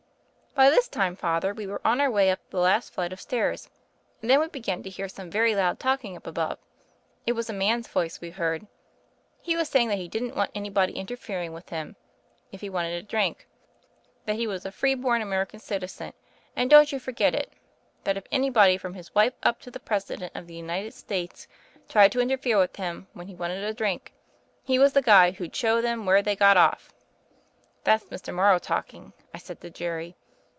"By this time. Father, we were on our way up the last flight of stairs. And then we began to hear some very loud talking up above. It was a man's voice we heard. He was saying that he didn't want anybody interfering with him, if he wanted a drink; that he was a free bom American citizen, and don't you forget it; that if anybody from his wife up to the Presi dent of the United States tried to interfere with him when he wanted a drink, he was the guy who'd show them where they got off. 'That's Mr. Morrow talking,' I said to Jerry.